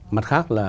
mặt khác là